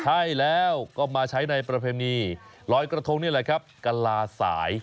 ใช่แล้วก็มาใช้ในประเพณีลอยกระทงนี่แหละครับกะลาสาย